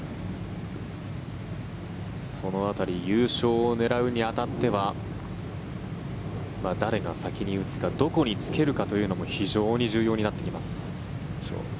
その辺り優勝を狙うに当たっては誰が先に打つかどこにつけるかというのも非常に重要になってきます。